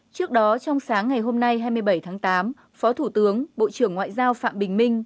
trước đó trong sáng ngày hôm nay hai mươi bảy tháng tám phó thủ tướng bộ trưởng ngoại giao phạm bình minh